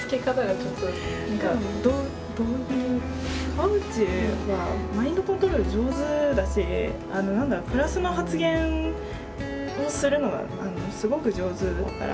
河内はマインドコントロール上手だし何だろうプラスの発言をするのがすごく上手だから。